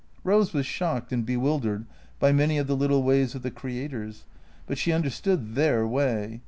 Eose was shocked and bewildered by many of the little ways of the creators, but she understood their way.